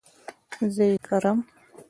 زه ئې کرم